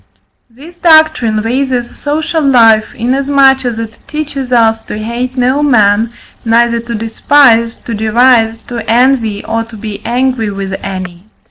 This doctrine raises social life, inasmuch as it teaches us to hate no man, neither to despise, to deride, to envy, or to be angry with any.